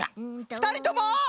ふたりとも！